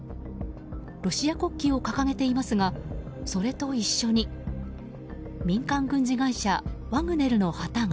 ロシア国旗を掲げていますがそれと一緒に民間軍事会社ワグネルの旗が。